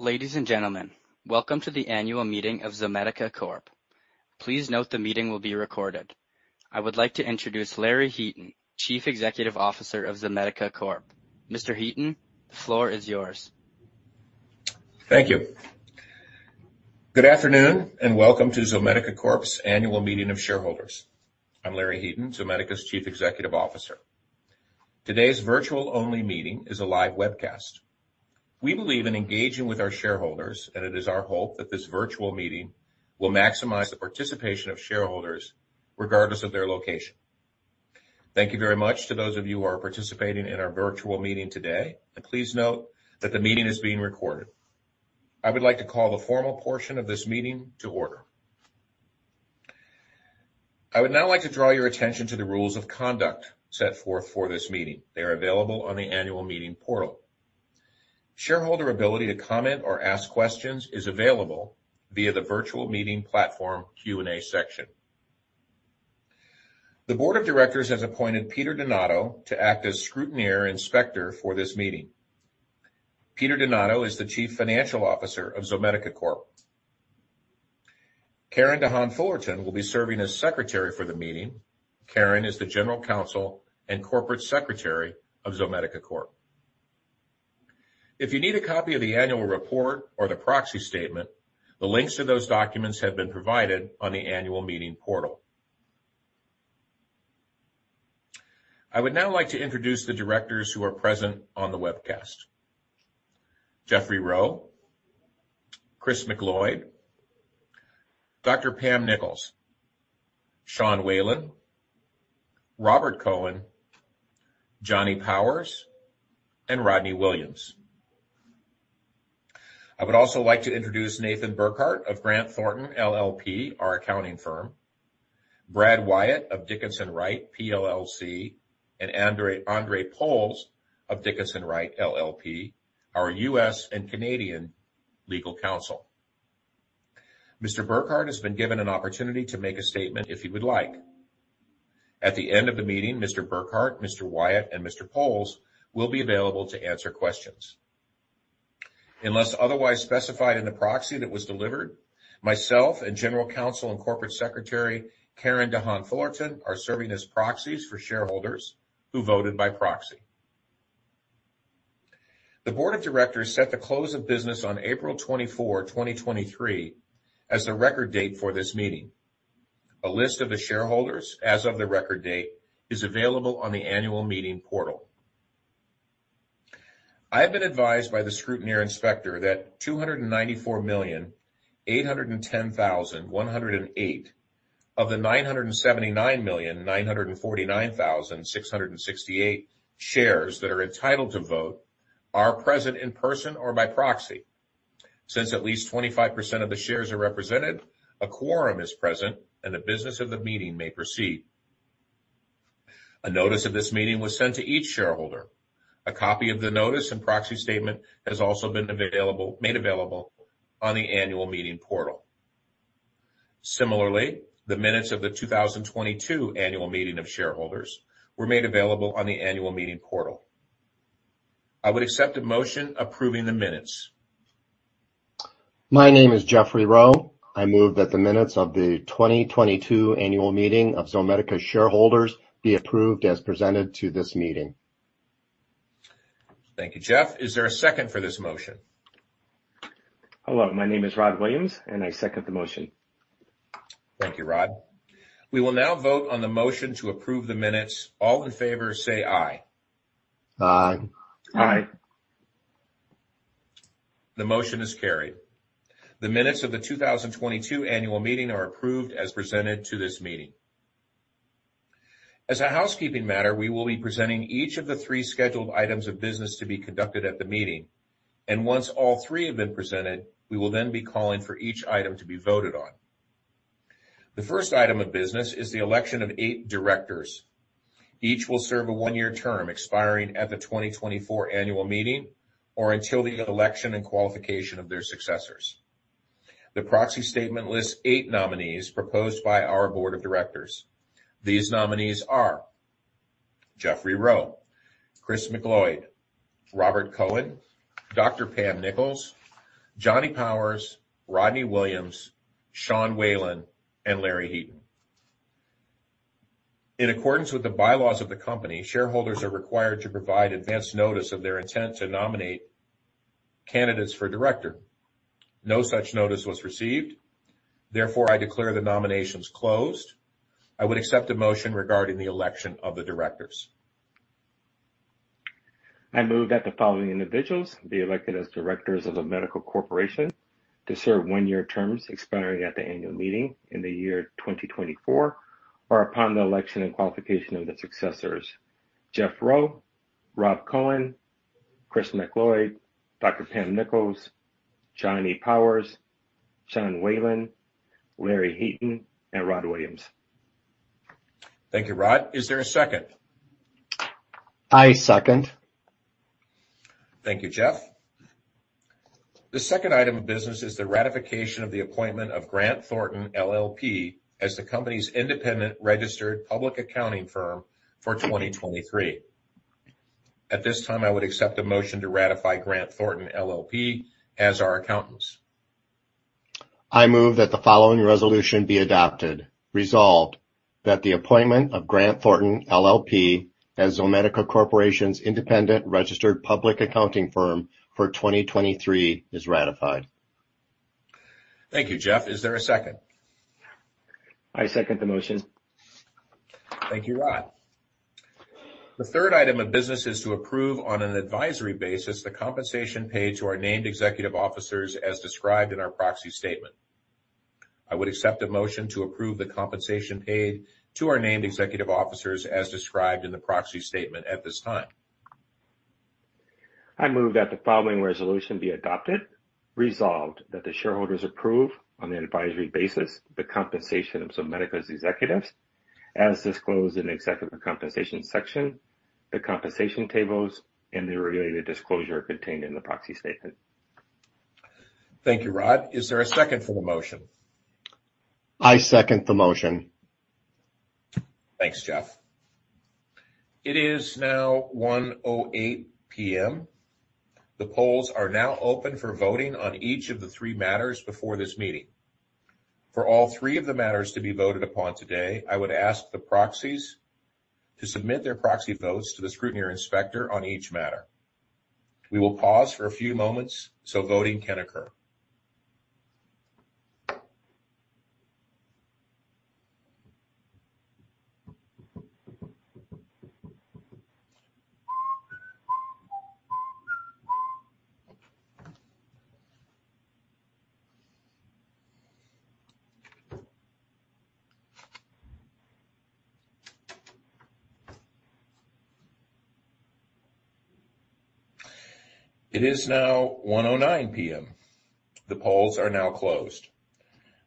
Ladies and gentlemen, welcome to the annual meeting of Zomedica Corp. Please note the meeting will be recorded. I would like to introduce Larry Heaton, Chief Executive Officer of Zomedica Corp. Mr. Heaton, the floor is yours. Thank you. Good afternoon, welcome to Zomedica Corp.'s annual meeting of shareholders. I'm Larry Heaton, Zomedica's Chief Executive Officer. Today's virtual-only meeting is a live webcast. We believe in engaging with our shareholders, and it is our hope that this virtual meeting will maximize the participation of shareholders, regardless of their location. Thank you very much to those of you who are participating in our virtual meeting today, and please note that the meeting is being recorded. I would like to call the formal portion of this meeting to order. I would now like to draw your attention to the rules of conduct set forth for this meeting they are available on the annual meeting portal. Shareholder ability to comment or ask questions is available via the virtual meeting platform Q&A section. The board of directors has appointed Peter Donato to act as scrutineer/inspector for this meeting. Peter Donato is the Chief Financial Officer of Zomedica Corp. Karen DeHaan-Fullerton will be serving as secretary for the meeting. Karen is the General Counsel and Corporate Secretary of Zomedica Corp. If you need a copy of the annual report or the proxy statement, the links to those documents have been provided on the annual meeting portal. I would now like to introduce the directors who are present on the webcast. Jeffrey Rowe, Chris MacLeod, Dr. Pam Nichols, Sean Whelan, Robert Cohen, Johnny Powers, and Rodney Williams. I would also like to introduce Nate Burkhart of Grant Thornton, LLP, our accounting firm, Brad Wyatt of Dickinson Wright, PLLC, and Andre Puls of Dickinson Wright, LLP, our U.S. and Canadian legal counsel. Mr. Burkhart has been given an opportunity to make a statement if he would like. At the end of the meeting, Mr. Burkhart, Mr. Wyatt, and Mr. Puls will be available to answer questions. Unless otherwise specified in the proxy that was delivered, myself and General Counsel and Corporate Secretary, Karen DeHaan-Fullerton, are serving as proxies for shareholders who voted by proxy. The board of directors set the close of business on 24 April 2023, as the record date for this meeting. A list of the shareholders as of the record date is available on the annual meeting portal. I have been advised by the scrutineer/inspector that 294,810,108 of the 979,949,668 shares that are entitled to vote are present in person or by proxy. Since at least 25% of the shares are represented, a quorum is present, and the business of the meeting may proceed. A notice of this meeting was sent to each shareholder. A copy of the notice and proxy statement has also been made available on the annual meeting portal. Similarly, the minutes of the 2022 annual meeting of shareholders were made available on the annual meeting portal. I would accept a motion approving the minutes. My name is Jeffrey Rowe. I move that the minutes of the 2022 annual meeting of Zomedica's shareholders be approved as presented to this meeting. Thank you, Jeff. Is there a second for this motion? Hello, my name is Rod Williams, and I second the motion. Thank you, Rod. We will now vote on the motion to approve the minutes. All in favor say aye. Aye. Aye. The motion is carried. The minutes of the 2022 annual meeting are approved as presented to this meeting. As a housekeeping matter, we will be presenting each of the three scheduled items of business to be conducted at the meeting, and once all three have been presented, we will then be calling for each item to be voted on. The first item of business is the election of eight directors. Each will serve a one year term, expiring at the 2024 annual meeting or until the election and qualification of their successors. The proxy statement lists eight nominees proposed by our board of directors. These nominees are Jeffrey Rowe, Chris MacLeod, Robert Cohen, Dr. Pam Nichols, Johnny Powers, Rodney Williams, Sean Whelan, and Larry Heaton. In accordance with the bylaws of the company, shareholders are required to provide advance notice of their intent to nominate candidates for director. No such notice was received. Therefore, I declare the nominations closed. I would accept a motion regarding the election of the directors. I move that the following individuals be elected as directors of Zomedica Corporation to serve one-year terms expiring at the annual meeting in the year 2024, or upon the election and qualification of their successors: Jeff Rowe, Rob Cohen, Chris MacLeod, Dr. Pam Nichols, Johnny Powers, Sean Whelan, Larry Heaton, and Rod Williams. Thank you, Rod. Is there a second? I second. Thank you, Jeff. The second item of business is the ratification of the appointment of Grant Thornton LLP, as the company's independent registered public accounting firm for 2023. At this time, I would accept a motion to ratify Grant Thornton LLP as our accountants. I move that the following resolution be adopted. Resolved, that the appointment of Grant Thornton LLP as Zomedica Corporation's independent registered public accounting firm for 2023 is ratified. Thank you, Jeff. Is there a second? I second the motion. Thank you, Rod. The third item of business is to approve, on an advisory basis, the compensation paid to our named executive officers as described in our proxy statement. I would accept a motion to approve the compensation paid to our named executive officers as described in the proxy statement at this time. I move that the following resolution be adopted: Resolved, that the shareholders approve, on an advisory basis, the compensation of Zomedica's executives as disclosed in the Executive Compensation section, the compensation tables, and the related disclosure contained in the proxy statement. Thank you, Rod. Is there a second for the motion? I second the motion. Thanks, Jeff. It is now 1:08 P.M. The polls are now open for voting on each of the three matters before this meeting. For all three of the matters to be voted upon today, I would ask the proxies to submit their proxy votes to the scrutineer inspector on each matter. We will pause for a few moments so voting can occur. It is now 1:09 P.M. The polls are now closed.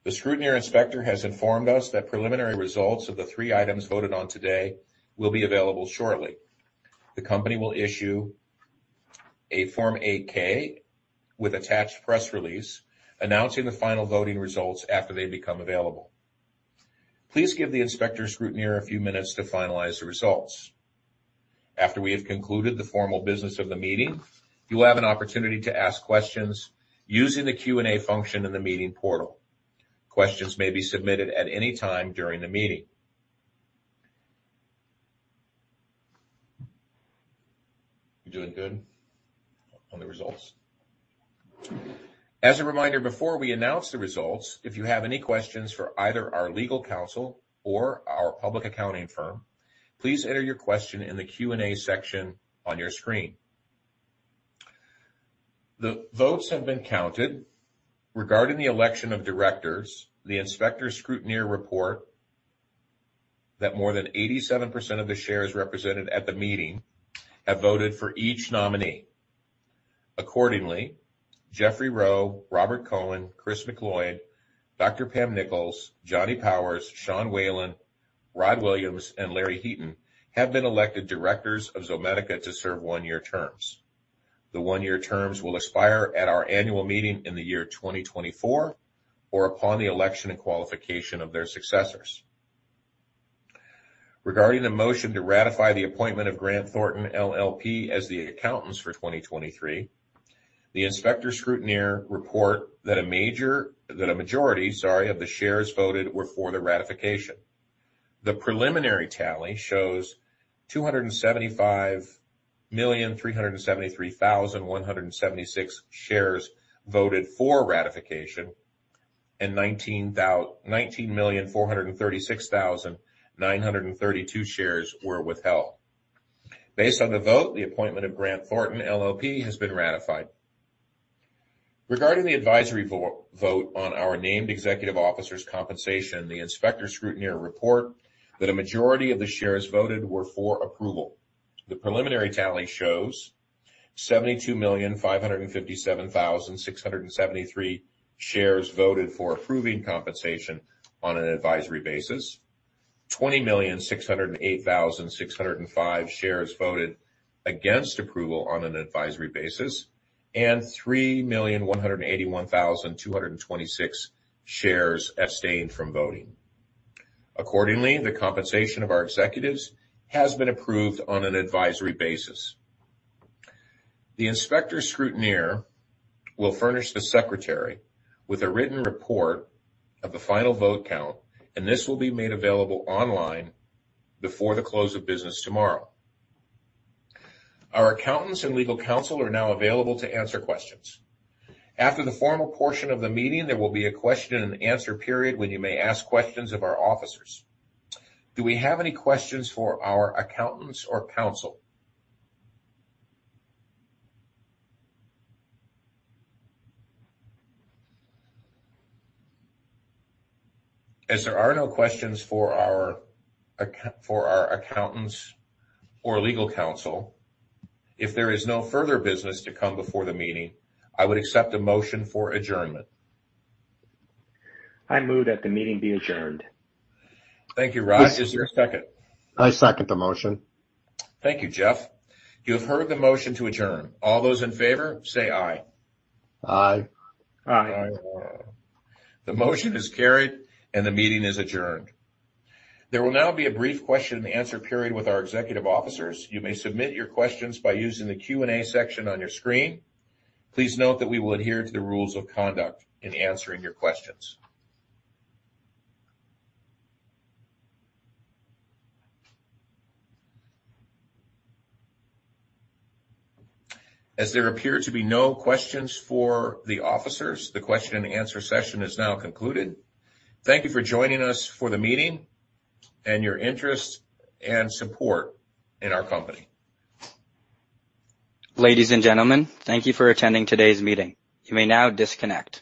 The scrutineer inspector has informed us that preliminary results of the three items voted on today will be available shortly. The company will issue a Form 8-K with attached press release, announcing the final voting results after they become available. Please give the inspector scrutineer a few minutes to finalize the results. After we have concluded the formal business of the meeting, you will have an opportunity to ask questions using the Q&A function in the meeting portal. Questions may be submitted at any time during the meeting. You doing good on the results? As a reminder, before we announce the results, if you have any questions for either our legal counsel or our public accounting firm, please enter your question in the Q&A section on your screen. The votes have been counted. Regarding the election of directors, the inspector/scrutineer report that more than 87% of the shares represented at the meeting have voted for each nominee. Accordingly, Jeffrey Rowe, Robert Cohen, Chris MacLeod, Dr. Pam Nichols, Johnny Powers, Sean Whelan, Rod Williams, and Larry Heaton have been elected directors of Zomedica to serve one-year terms. The one-year terms will expire at our annual meeting in the year 2024, or upon the election and qualification of their successors. Regarding the motion to ratify the appointment of Grant Thornton LLP as the accountants for 2023, the inspector scrutineer report that a majority, sorry, of the shares voted were for the ratification. The preliminary tally shows 275,373,176 shares voted for ratification, and 19,436,932 shares were withheld. Based on the vote, the appointment of Grant Thornton LLP has been ratified. Regarding the advisory vote on our named executive officers' compensation, the inspector scrutineer report that a majority of the shares voted were for approval. The preliminary tally shows 72,557,673 shares voted for approving compensation on an advisory basis, 20,608,605 shares voted against approval on an advisory basis, and 3,181,226 shares abstained from voting. Accordingly, the compensation of our executives has been approved on an advisory basis. The inspector scrutineer will furnish the secretary with a written report of the final vote count, and this will be made available online before the close of business tomorrow. Our accountants and legal counsel are now available to answer questions. After the formal portion of the meeting, there will be a question and answer period when you may ask questions of our officers. Do we have any questions for our accountants or counsel? As there are no questions for our accountants or legal counsel, if there is no further business to come before the meeting, I would accept a motion for adjournment. I move that the meeting be adjourned. Thank you, Rod. Is there a second? I second the motion. Thank you, Jeff. You have heard the motion to adjourn. All those in favor, say aye. Aye. Aye. The motion is carried, and the meeting is adjourned. There will now be a brief question and answer period with our executive officers. You may submit your questions by using the Q&A section on your screen. Please note that we will adhere to the rules of conduct in answering your questions. As there appear to be no questions for the officers, the question and answer session is now concluded. Thank you for joining us for the meeting and your interest and support in our company. Ladies and gentlemen, thank you for attending today's meeting. You may now disconnect.